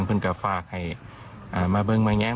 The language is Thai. เองเพิ่งก็ฝากให้มาเบิ่งแมงแย้ง